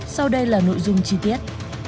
sau đây là nội dung chi tiết